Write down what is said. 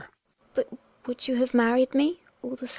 GiNA. But would you have married me all the same